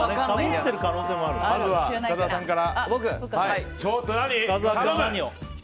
まず深澤さんから。